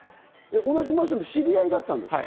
同じマンションで知り合いだったんですか？